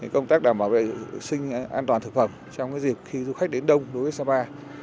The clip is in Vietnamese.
công tác đảm bảo vệ sinh an toàn thực phẩm trong dịp khi du khách đến đông đối với sapa